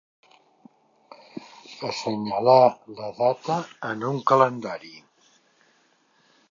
Assenyalar la data en un calendari.